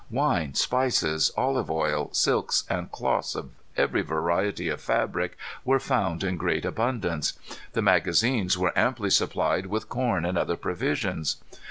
Wine, spices, olive oil, silks and cloths of every variety of fabric were found in great abundance. The magazines were amply supplied with corn and other provisions.